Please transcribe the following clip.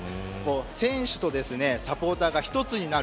選手とサポーターが一つになる。